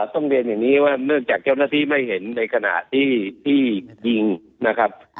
ต้องเรียนอย่างนี้ว่าเนื่องจากเจ้าหน้าที่ไม่เห็นในขณะที่ยิงนะครับ